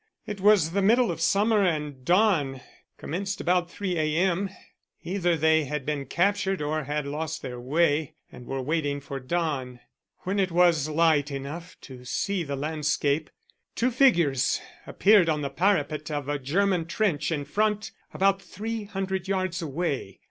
It was the middle of summer and dawn commenced about 3 a. m. Either they had been captured or had lost their way and were waiting for dawn. When it was light enough to see the landscape, two figures appeared on the parapet of a German trench in front about three hundred yards away.